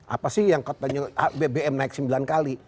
apa sih yang katanya bbm naik sembilan kali